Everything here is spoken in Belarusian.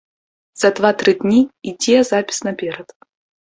За два-тры дні ідзе запіс наперад.